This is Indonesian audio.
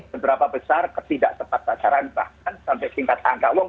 seberapa besar ketidak tepat sasaran bahkan sampai tingkat angka uang